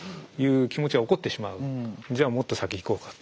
じゃあもっと先行こうかと。